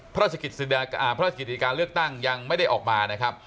ภักดิ์การเลือกตั้งยังไม่ได้ออกมานะครับ